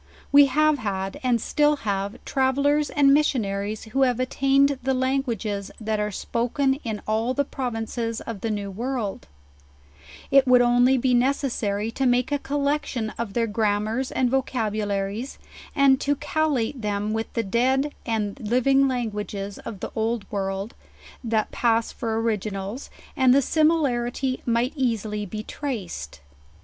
We have had, and still have, travellers and missionaries who have attained the languages that are spoken in all the provincess of the new world; it would only be necessary to make a collection of their gram mars and vocabularies, and to callate them with the dead and living languagas of the old world, that pass for original^ LEWIS AND CLARKE. 167 and the similarity might easily be traced.